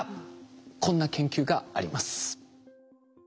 こんな研究があります。